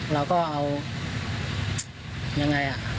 เราก็เอายังไง